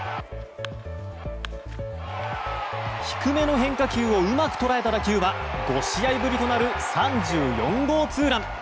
低めの変化球をうまく捉えた打球は５試合ぶりとなる３４号ツーラン。